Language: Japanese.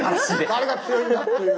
誰が強いのかっていう。